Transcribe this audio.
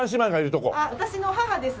私の母です